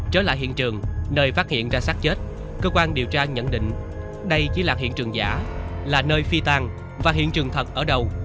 trở lại hiện trường nơi phát hiện ra sát chết cơ quan điều tra nhận định đây chỉ là hiện trường giả là nơi phi tan và hiện trường thật ở đầu